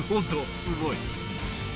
すごい。